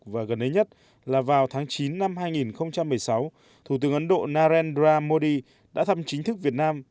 và gần ấy nhất là vào tháng chín năm hai nghìn một mươi sáu thủ tướng ấn độ narendra modi đã thăm chính thức việt nam